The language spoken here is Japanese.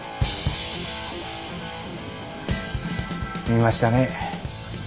見ましたね？